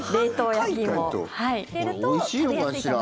おいしいのかしら。